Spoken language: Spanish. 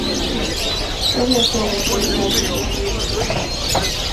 Fue mecenas de las artes y las letras.